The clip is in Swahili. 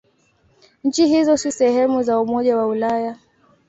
Nchi hizo si sehemu za Umoja wa Ulaya.